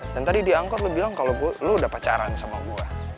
dan tadi di angkor lo bilang kalau lo udah pacaran sama gue